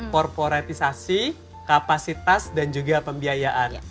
korporatisasi kapasitas dan juga pembiayaan